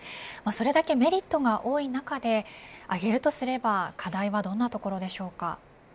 それだけメリットが多い中で挙げるとすれば課題はどんなところでしょうか。